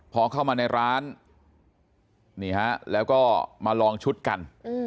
พอเข้ามาในร้านนี่ฮะแล้วก็มาลองชุดกัน